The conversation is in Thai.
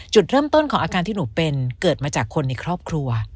จุดเริ่มต้นของอาการที่หนูเป็นเกิดมาจากคนในครอบครัว